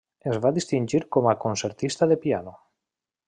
Es va distingir com a concertista de piano.